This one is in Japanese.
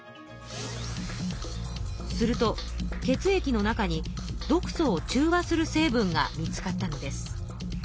すると血液の中に毒素を中和する成分が見つかったのです。